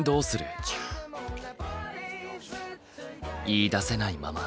言いだせないまま。